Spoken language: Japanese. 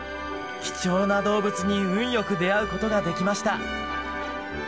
貴重な動物に運良く出会うことができました！